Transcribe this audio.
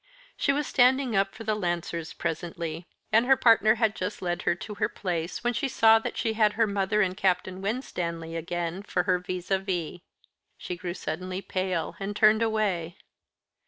She was standing up for the Lancers presently, and her partner had just led her to her place, when she saw that she had her mother and Captain Winstanley again for her vis à vis. She grew suddenly pale, and turned away.